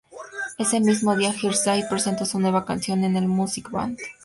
Ese mismo día, Girl's Day presentó su nueva canción en el Music Bank.